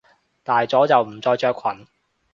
大咗就唔再着裙！